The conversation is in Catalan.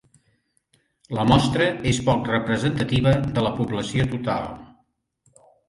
La mostra és poc representativa de la població total.